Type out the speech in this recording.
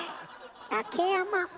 竹山。